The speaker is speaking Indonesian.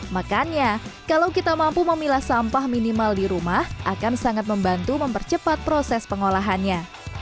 makanya kalau kita mampu memilah sampah minimal di rumah akan sangat membantu mempercepat proses pengolahannya